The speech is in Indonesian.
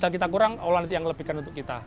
kalau kita kurang allah nanti akan lebihkan untuk kita